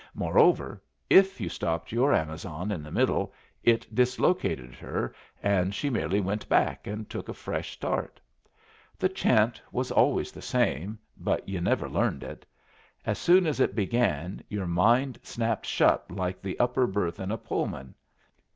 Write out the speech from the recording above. Moreover, if you stopped your Amazon in the middle, it dislocated her, and she merely went back and took a fresh start. The chant was always the same, but you never learned it. As soon as it began, your mind snapped shut like the upper berth in a Pullman.